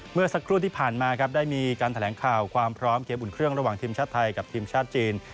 เมื่อสักครู่ที่ผ่านมาครับได้มีการแถลงข่าวความพร้อมเกมอุ่นเครื่องระหว่างทีมชาติไทยกับทีมชาติจีน